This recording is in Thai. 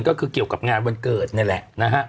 ก็คือเกี่ยวกับงานวันเกิดนี่แหละนะฮะ